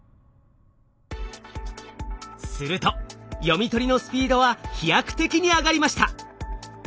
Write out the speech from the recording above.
すると読み取りのスピードは飛躍的に上がりました！